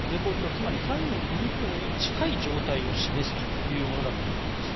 つまり債務不履行に近い状態を示すものだということです。